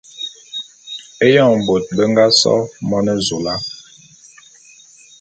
Éyoň bôt be nga so Monezula.